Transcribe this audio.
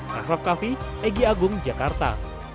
rafa kavi egy agung jakarta